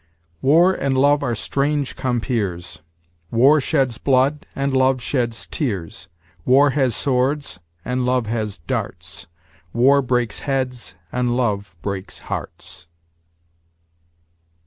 "War and Love are strange compeers. War sheds blood, and Love sheds tears; War has swords, and Love has darts; War breaks heads, and Love breaks hearts."